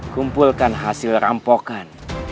kumpulkan hasil rampokan